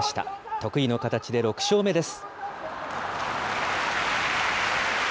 得意の形で６勝目です。